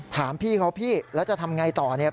ถามพี่เขาพี่แล้วจะทำอย่างไรต่อ